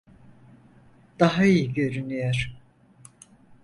Daha iyi görünüyor.